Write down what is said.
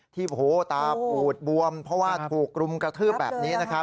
ที่ตาปูดบวมเพราะว่าถูกรุมกระทืบแบบนี้นะครับ